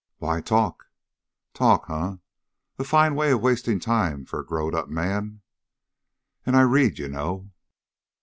"Why talk." "Talk? Huh! A fine way of wasting time for a growed up man." "And I read, you know."